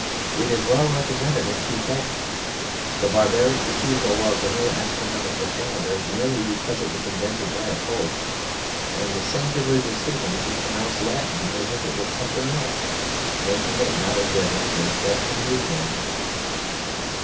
It is well represented in two facts; the barbaric refusal of the new astronomical calendar merely because it was invented by a Pope, and the singular decision to pronounce Latin as if it were something else, making it not a dead language but a new language.